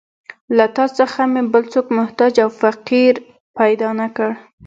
له تا څخه مې بل څوک محتاج او فقیر پیدا نه کړ.